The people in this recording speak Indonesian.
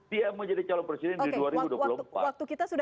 dia menjadi calon presiden di dua ribu dua puluh empat